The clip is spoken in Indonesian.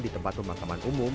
di tempat pemakaman umum